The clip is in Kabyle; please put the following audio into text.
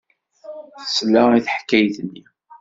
Tesla i teḥkayt-nni.